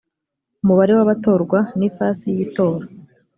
umubare w’abatorwa n’ifasi y’itora